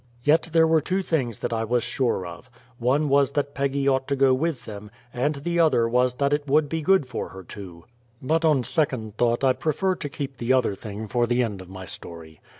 Yet there were two things that I was sure of: one was that Peggy ought to go with them, and the other was that it would be good for her to but on second thought I prefer to keep the other thing for the end of my story.